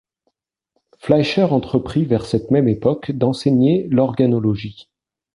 Fleischer entreprit vers cette même époque d'enseigner l'organologie.